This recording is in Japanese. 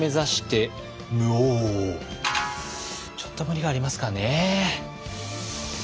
ちょっと無理がありますかね？